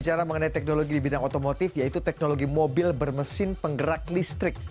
bicara mengenai teknologi di bidang otomotif yaitu teknologi mobil bermesin penggerak listrik